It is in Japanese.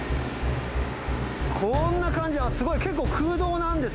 こんな感じあっすごい！